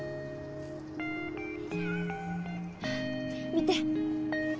見て